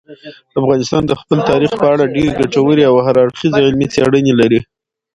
افغانستان د خپل تاریخ په اړه ډېرې ګټورې او هر اړخیزې علمي څېړنې لري.